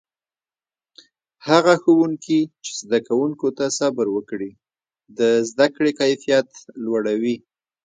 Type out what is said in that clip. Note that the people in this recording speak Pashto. هغه ښوونکي چې زده کوونکو ته صبر وکړي، د زده کړې کیفیت لوړوي.